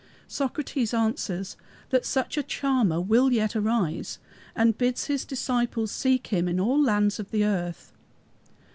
Socrates answers that such a Charmer will yet arise, and bids his disciples seek him in all lands of the earth.